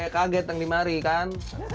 kaget yang dimari kan